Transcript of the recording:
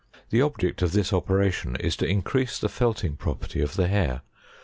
The object of this operation is to increase the felting property of the hair.